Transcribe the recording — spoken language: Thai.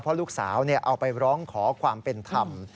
เพราะลูกสาวเอาไปร้องขอความเป็นธรรม